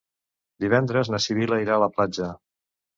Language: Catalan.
Divendres na Sibil·la irà a la platja.